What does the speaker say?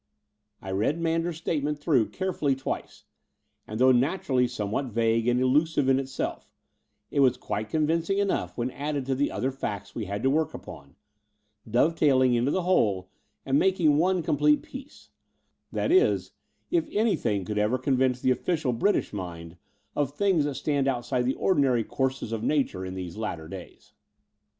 I read Manders's statement through carefully twice; and, though nattnrally somewhat vague and elusive in itself, it was quite convincing enough when added to the oth^ facts we had to work upon, dovetailing into the whole and making one complete piece — that is, if anything could ever convince the oflScial British mind of things that stand outside the ordinary courses of nature in these latter days.